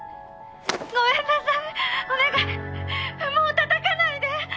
お願いもうたたかないで」